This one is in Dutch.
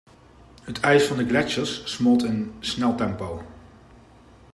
Het ijs van de gletsjers smolt in sneltempo.